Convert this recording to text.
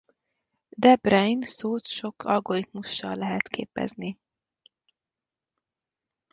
De Bruijn-szót sok algoritmussal lehet képezni.